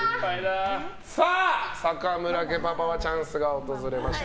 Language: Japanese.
さあ、坂村家パパはチャンスが訪れました。